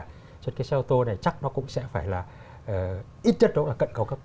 cho nên cái xe ô tô này chắc nó cũng sẽ phải là ít nhất là cận cao cấp